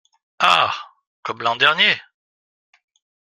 Ah ! comme l’an dernier…